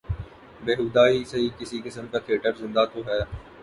بیہودہ ہی سہی کسی قسم کا تھیٹر زندہ تو ہے۔